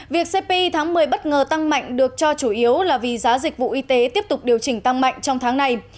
việc cp tháng một mươi bất ngờ tăng mạnh được cho chủ yếu là vì giá dịch vụ y tế tiếp tục điều chỉnh tăng mạnh trong tháng này